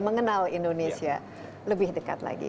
mengenal indonesia lebih dekat lagi